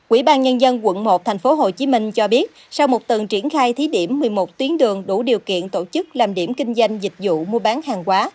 ubnd quận một tp hcm cho biết sau một tuần triển khai thí điểm một mươi một tuyến đường đủ điều kiện tổ chức làm điểm kinh doanh dịch vụ mua bán hàng quá